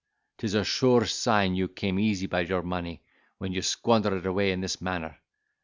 'Tis a sure sign you came easily by your money, when you squander it away in this manner.